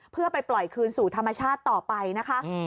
เพื่อไปปล่อยคืนสู่ธรรมชาติต่อไปนะคะ